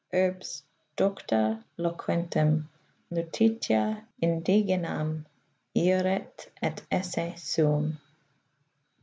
urbs docta loquentem Lutecia, indigenam iuret et esse suum.